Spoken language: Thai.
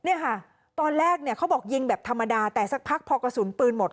เนี่ยค่ะตอนแรกเนี่ยเขาบอกยิงแบบธรรมดาแต่สักพักพอกระสุนปืนหมด